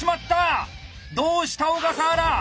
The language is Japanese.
どうした小笠原！